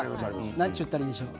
なんていったらいいんでしょう。